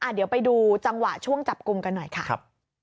เดี๋ยวไปดูจังหวะช่วงจับกลุ่มกันหน่อยค่ะ